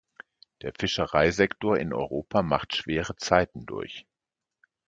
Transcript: Der Fischereisektor in Europa macht schwere Zeiten durch.